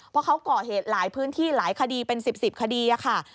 เพราะเขาก่อเหตุหลายพื้นที่หลายคดีเป็น๑๐คดีค่ะ